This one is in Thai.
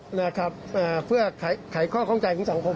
ใช่ครับนะครับเพื่อไข้ข้อความใจของสังคม